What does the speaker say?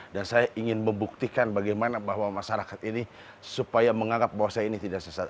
dan saya ingin membuktikan bagaimana bahwa masyarakat ini supaya menganggap bahwa saya ini tidak sesat